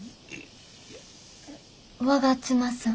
我妻さん？